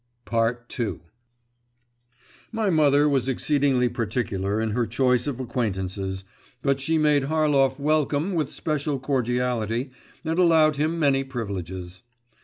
II My mother was exceedingly particular in her choice of acquaintances, but she made Harlov welcome with special cordiality and allowed him many privileges.